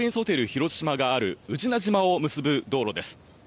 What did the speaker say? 広島がある宇品島を結ぶ道路です。